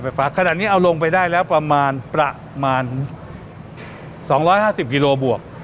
ไฟฟ้าขนาดนี้เอาลงไปได้แล้วประมาณประมาณสองร้อยห้าสิบกิโลบวก